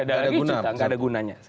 tidak ada lagi cuti tidak ada gunanya